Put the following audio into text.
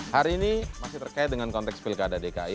hari ini masih terkait dengan konteks pilkada dki